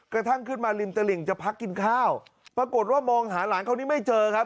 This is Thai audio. กระทั่งขึ้นมาริมตลิ่งจะพักกินข้าวปรากฏว่ามองหาหลานเขานี้ไม่เจอครับ